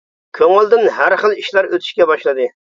كۆڭلىدىن ھەر خىل ئىشلار ئۆتۈشكە باشلىدى.